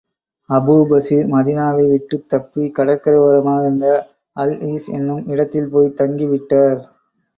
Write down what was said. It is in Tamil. அபூபஸீர் மதீனாவை விட்டுத் தப்பி, கடற்கரை ஓரமாக இருந்த அல் ஈஸ் என்னும் இடத்தில் போய்த் தங்கிவிட்டார்.